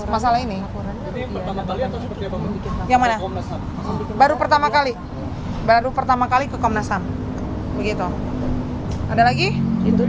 masalah ini yang mana baru pertama kali baru pertama kali ke komnasum begitu ada lagi itu